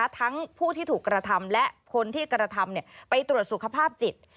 ทั้งผู้ที่ถูกกระทำและคนที่กระทำไปตรวจสุขภาพจิต